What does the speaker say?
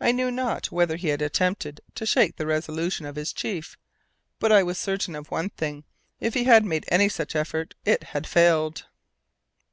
I knew not whether he had attempted to shake the resolution of his chief; but I was certain of one thing; if he had made any such effort it had failed.